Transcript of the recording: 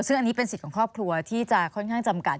ซึ่งอันนี้เป็นสิทธิ์ของครอบครัวที่จะค่อนข้างจำกัด